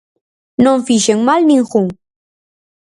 Non fixen mal ningún.